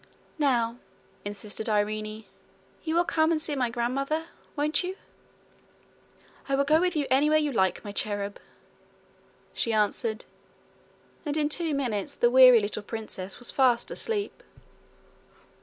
'Now,' insisted Irene, 'you will come and see my grandmother won't you?' 'I will go with you anywhere you like, my cherub,' she answered; and in two minutes the weary little princess was fast asleep.